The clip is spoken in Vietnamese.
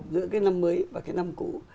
giữa cái năm mới và cái năm cũ